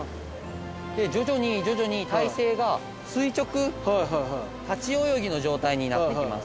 徐々に徐々に体勢が垂直立ち泳ぎの状態になってきます。